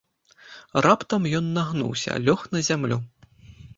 Раптам ён нагнуўся, лёг на зямлю.